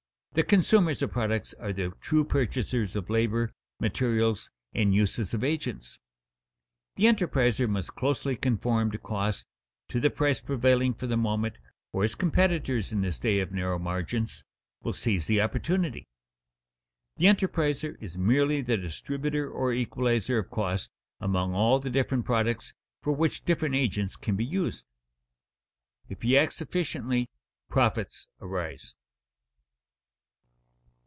The consumers of products are the true purchasers of labor, materials, and uses of agents. The enterpriser must conform closely to cost, to the price prevailing for the moment, or his competitors in this day of narrow margins will seize the opportunity. The enterpriser is merely the distributor or equalizer of cost among all the different products for which different agents can be used. If he acts efficiently, profits arise.